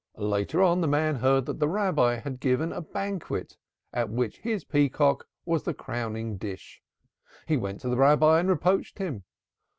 Later on the man heard that the Rabbi had given a banquet at which his peacock was the crowning dish. He went to his Rabbi and reproached him.